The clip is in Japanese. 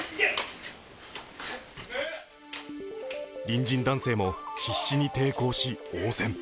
隣人男性も必死に抵抗し応戦。